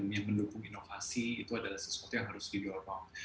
yang mendukung inovasi itu adalah sesuatu yang harus didorong